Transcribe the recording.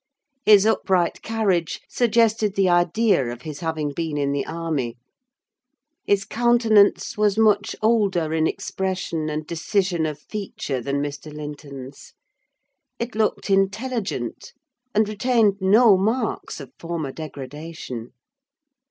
His upright carriage suggested the idea of his having been in the army. His countenance was much older in expression and decision of feature than Mr. Linton's; it looked intelligent, and retained no marks of former degradation.